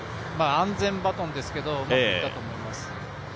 安全バトンですけどうまくいったと思います。